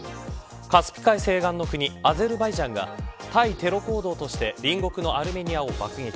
カスピ海西岸の国アゼルバイジャンが対テロ行動として隣国のアルメニアを爆撃。